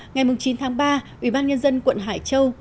ngày chín tháng ba ubnd quận hải châu